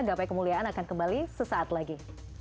gapai kemuliaan akan kembali sesaat lagi